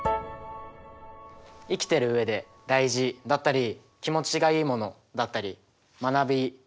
生きている上で大事だったり気持ちがいいものだったり学び